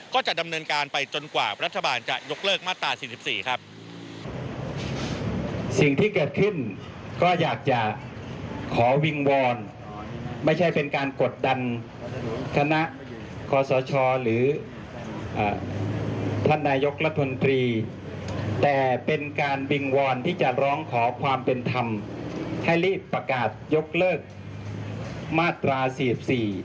ก็จะดำเนินการไปจนกว่ารัฐบาลจะยกเลิกมาตราสี่สิบสี่ครับ